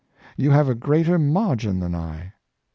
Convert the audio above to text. You have a greater margin than I.